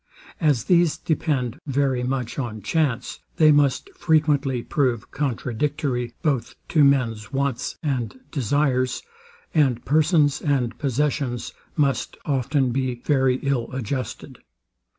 As these depend very much on chance, they must frequently prove contradictory both to men's wants and desires; and persons and possessions must often be very ill adjusted.